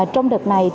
trong đợt này